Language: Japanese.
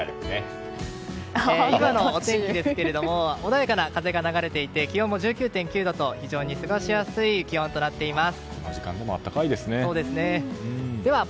今のお天気ですけど穏やかな風が流れていて気温も１９．９度と、非常に過ごしやすい天気となっています。